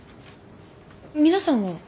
皆さんは？